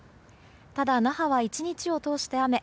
ただ、那覇は１日を通して雨。